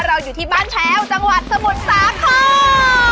เราอยู่ที่บ้านแชวจังหวัดสมุทรสาขน